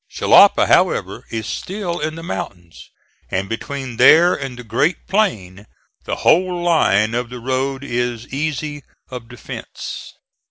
Jalapa, however, is still in the mountains, and between there and the great plain the whole line of the road is easy of defence.